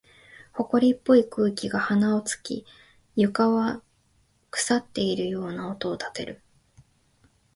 埃っぽい空気が鼻を突き、床は腐っているような音を立てる。